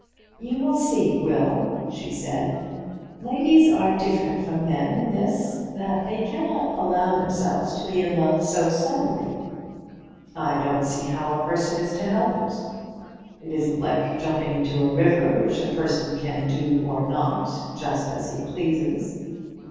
"You see, Will," she said, "ladies are different from men in this, that they cannot allow themselves to be in love so suddenly." "I don't see how a person is to help it. It isn't like jumping into a river, which a person can do or not, just as he pleases."